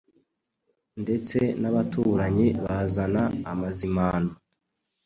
ndetse n' abaturanyi bazana amazimano.